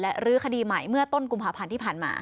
และรื้อคดีใหม่เมื่อต้นกุมภาพันธ์ที่ผ่านมา